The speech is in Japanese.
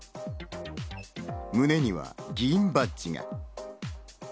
胸には議員バッジが。